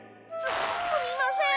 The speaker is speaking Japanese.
すみません！